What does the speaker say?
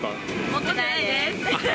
持ってないです。